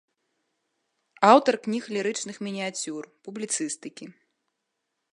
Аўтар кніг лірычных мініяцюр, публіцыстыкі.